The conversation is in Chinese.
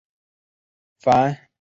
梵本已失。